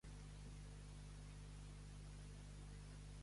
Quin tipus d'obra és Panoptik?